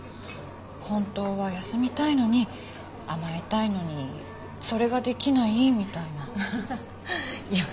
本当は休みたいのに甘えたいのにそれができないみたいな。いや。